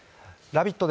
「ラヴィット！」